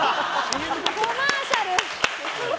コマーシャル。